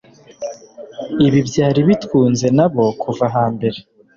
ibi byari bitwunze na bo kuva hambere